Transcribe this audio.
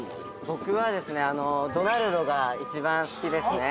◆僕はドナルドが一番好きですね。